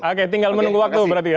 oke tinggal menunggu waktu berarti ya